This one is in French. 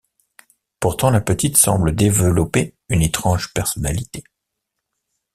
Pourtant, la petite semble développer une étrange personnalité.